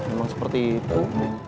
emang seperti itu